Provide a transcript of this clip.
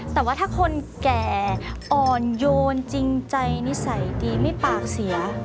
แต่ว่าถ้าคนแก่อ่อนโยนจริงใจนิสัยดีไม่ปากเสีย